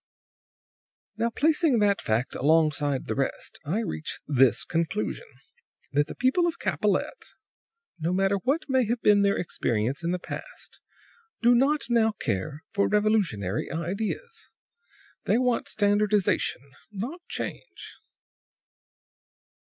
"Now, placing that fact alongside the rest, I reach this conclusion: that the people of Capallette, no matter what may have been their experience in the past, do not now care for revolutionary ideas. They want standardization, not change.